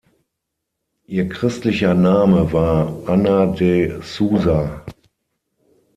Ihr christlicher Name war Ana de Sousa.